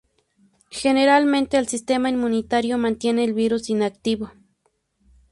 Generalmente, el sistema inmunitario mantiene el virus inactivo.